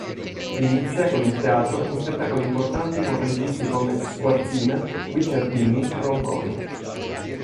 Inizia con il teatro in spettacoli importanti con registi come Squarzina, Guicciardini, Ronconi.